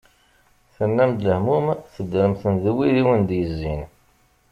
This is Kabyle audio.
Tennam-d lehmum, teddrem-ten d wid i awen-d-yezzin.